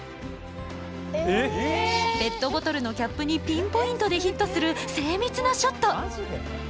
ペットボトルのキャップにピンポイントでヒットする精密なショット。